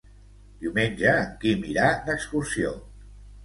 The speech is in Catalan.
Diumenge en Quim irà d'excursió.